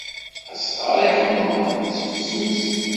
Asɣar iḥemḍen ittifsus.